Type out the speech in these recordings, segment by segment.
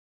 aku bingung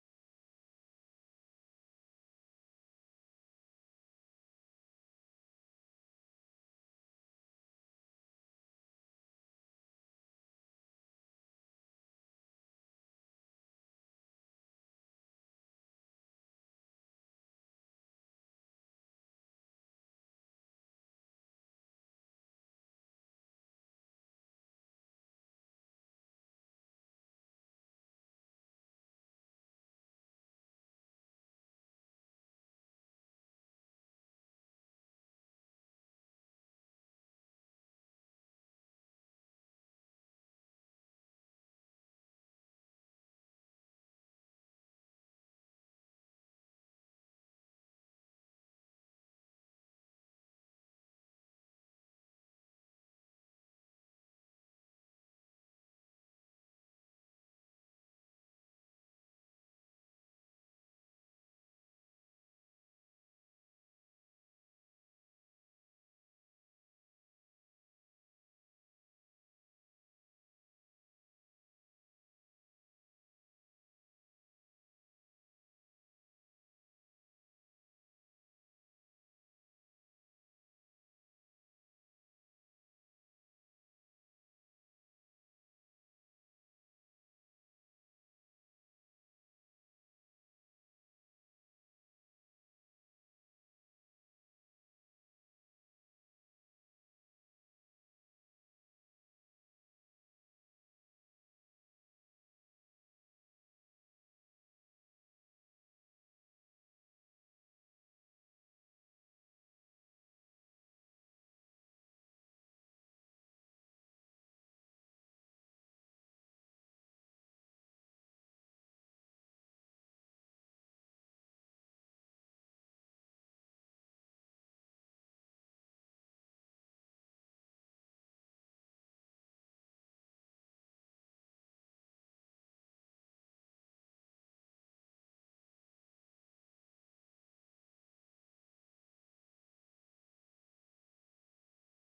harus berubah